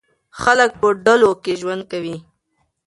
خلک په ډلو کې ژوند کوي.